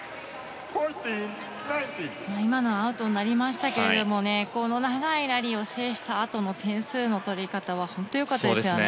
今のはアウトになりましたが長いラリーを制したあとの点数の取り方は本当に良かったですよね。